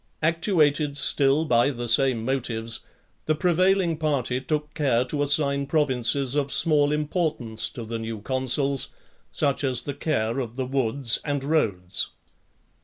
Actuated still by the same motives, the prevailing party took care to assign provinces of small importance to the new consuls, such as the care of the woods and roads.